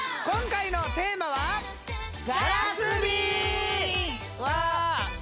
今回のテーマはうわ！